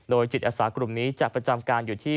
จิตอาสากลุ่มนี้จะประจำการอยู่ที่